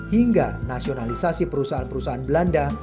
hingga nasionalisasi perusahaan perusahaan belanda